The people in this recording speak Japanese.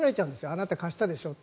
あなた貸したでしょと。